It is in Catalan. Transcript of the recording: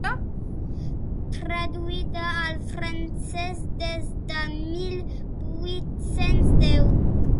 Traduïda al francès des de mil vuit-cents deu.